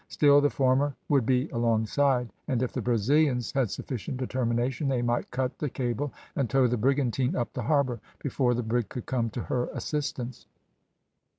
Still the former would be alongside, and if the Brazilians had sufficient determination, they might cut the cable and tow the brigantine up the harbour, before the brig could come to her assistance.